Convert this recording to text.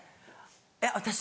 えっ私？